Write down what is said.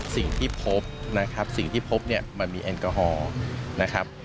สิ่งที่พบนะครับสิ่งที่พบเนี่ยมันมีแอลกอฮอล์นะครับ